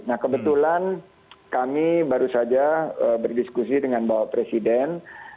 nah kebetulan kami baru saja berdiskusi dengan bapak presiden